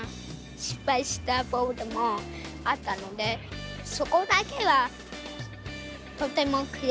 失敗したボールもあったのでそこだけはとても悔しいですね。